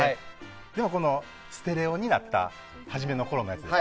でも、ステレオになった初めのころのやつ。